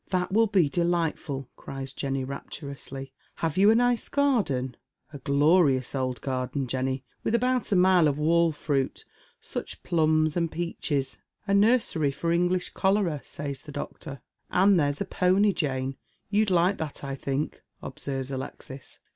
" That will be delightful 1 " cries Jenny, rapturously ;" HavA you a nice garden ?" "A glorious old garden, Jenny, with about a mile of wall fri^it. Such plums and peaches !"" A nursery for English cholera," says the doctor. " And there's a pony, Jane, — ^you'd like that, I think," obsei vea Alexis.